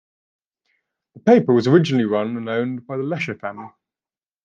The paper was originally run and owned by the Lesher family.